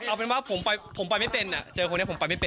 เอาเป็นว่าผมปล่อยไม่เป็นอ่ะเจอคนนี้ผมปล่อยไม่เป็น